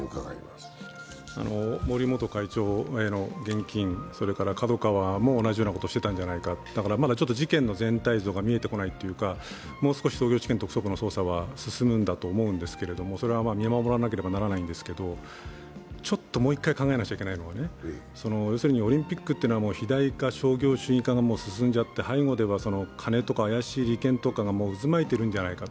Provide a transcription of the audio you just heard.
森元会長への現金、それからＫＡＤＯＫＡＷＡも同じようなことをしていたんじゃないかだから事件の全体像が見えてこないというか、もう少し東京地検特捜部の捜査は進むんだと思うんですが、それは見守らなければならないんですけれども、ちょっともう一回考えなくちゃいけないのは、オリンピックというのは肥大化、商業主義化が進んじゃって背後では悲しい利権とかが渦巻いているんじゃないか。